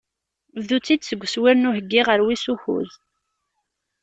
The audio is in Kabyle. Bdu-tt-id seg uswir n uheyyi ɣer wis ukuẓ.